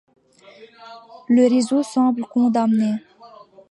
Le réseau semble condamné.